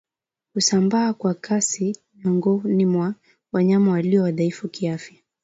Husambaa kwa kasi miongoni mwa wanyama walio wadhaifu kiafya